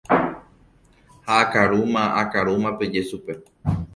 ha akarúma akarúma peje chupe.